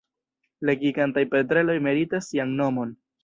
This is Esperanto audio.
La Gigantaj petreloj meritas sian nomon.